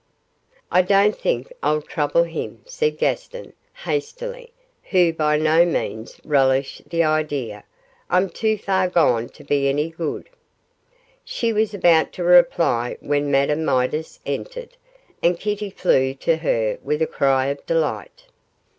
'I don't think I'll trouble him,' said Gaston, hastily, who by no means relished the idea. 'I'm too far gone to be any good.' She was about to reply when Madame Midas entered, and Kitty flew to her with a cry of delight.